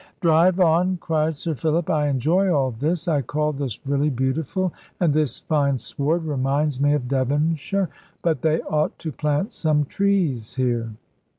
"Drive on," cried Sir Philip; "I enjoy all this: I call this really beautiful, and this fine sward reminds me of Devonshire. But they ought to plant some trees here."